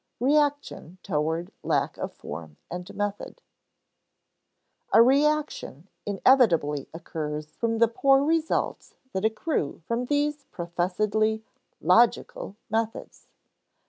[Sidenote: Reaction toward lack of form and method] A reaction inevitably occurs from the poor results that accrue from these professedly "logical" methods.